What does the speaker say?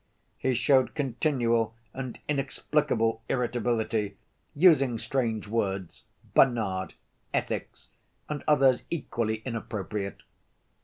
He showed continual and inexplicable irritability, using strange words, 'Bernard!' 'Ethics!' and others equally inappropriate."